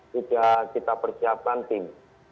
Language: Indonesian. sudah kita persiapkan tim